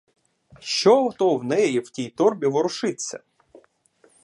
Що то в неї в тій торбі ворушиться?